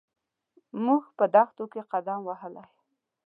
موږ په دښتو کې قدم وهلی.